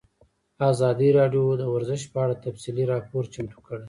ازادي راډیو د ورزش په اړه تفصیلي راپور چمتو کړی.